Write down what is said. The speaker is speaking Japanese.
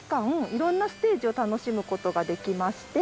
いろんなステージを楽しむことができまして。